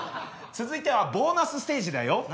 続いてはボーナスステージだよ。